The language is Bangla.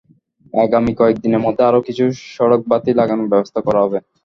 আগামী কয়েক দিনের মধ্যে আরও কিছু সড়কবাতি লাগানোর ব্যবস্থা করা হবে।